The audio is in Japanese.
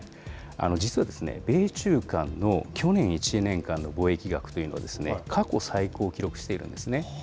実は、米中間の去年１年間の貿易額というのは、過去最高を記録しているんですね。